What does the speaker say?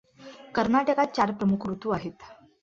कर्नाटकात चार प्रमुख ऋतू आहेत.